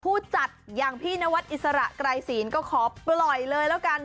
ผู้จัดอย่างพี่นวัดอิสระไกรศีลก็ขอปล่อยเลยแล้วกัน